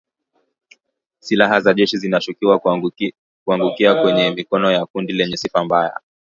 Silaha za jeshi zinashukiwa kuangukia kwenye mikono ya kundi lenye sifa mbaya